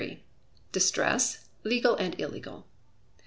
Distress, Legal and Illegal.